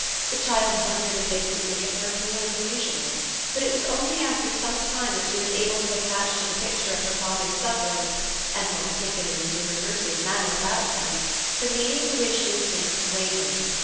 The child wondered if they didn't make it hurt more than usual; but it was only after some time that she was able to attach to the picture of her father's sufferings, and more particularly to her nurse's manner about them, the meaning for which these things had waited.